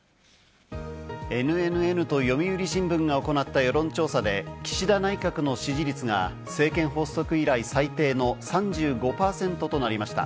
ＮＮＮと読売新聞が行った世論調査で、岸田内閣の支持率が政権発足以来最低の３５％となりました。